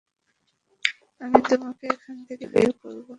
আমি তোমাকে এখান থেকে বের করব।